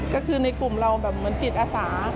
ก็คือในกลุ่มเราแบบเหมือนจิตอาสา